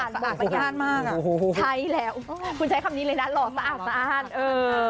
หล่อสะอาดมากอะใช่แล้วคุณใช้คำนี้เลยนะหล่อสะอาดสะอาดเออ